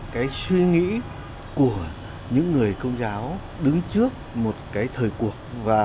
cái suy nghĩ của những người công giáo đứng trước một cái thời cuộc và